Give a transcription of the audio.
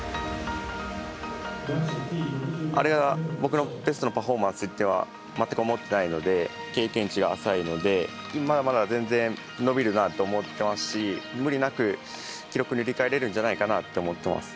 あれが、僕のベストのパフォーマンスとは全く思っていないので経験値が浅いのでまだまだ全然伸びるなと思っていますし無理なく、記録塗り替えれるんじゃないかなと思っています。